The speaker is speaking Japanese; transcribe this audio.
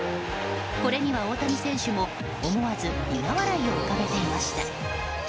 これには大谷選手も思わず苦笑いを浮かべていました。